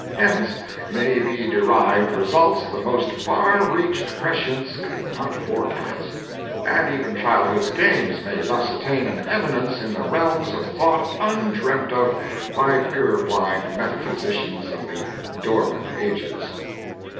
Hence may be derived results the most far reaching prescience could not forecast; and even childhood's games may thus attain an eminence in the realms of thought undreamt of by purblind metaphysicans of the dormant ages!